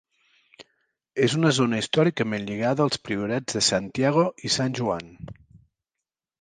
És una zona històricament lligada als priorats de Santiago i Sant Joan.